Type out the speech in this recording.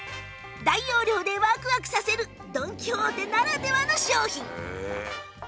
大容量でワクワクさせるドン・キホーテならではの商品